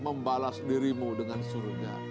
membalas dirimu dengan surga